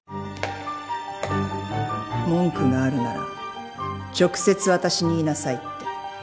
文句があるなら直接私に言いなさいって。